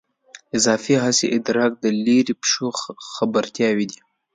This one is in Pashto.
اضافي حسي ادراک د لیرې پېښو خبرتیاوې دي.